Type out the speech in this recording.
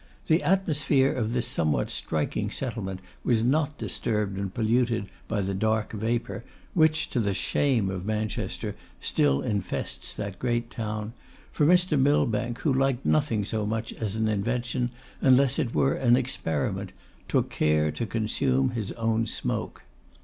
The atmosphere of this somewhat striking settlement was not disturbed and polluted by the dark vapour, which, to the shame of Manchester, still infests that great town, for Mr. Millbank, who liked nothing so much as an invention, unless it were an experiment, took care to consume his own smoke.